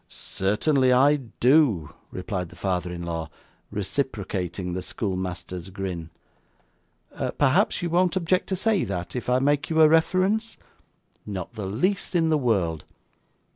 'Certainly I do,' replied the father in law, reciprocating the schoolmaster's grin. 'Perhaps you won't object to say that, if I make you a reference?' 'Not the least in the world.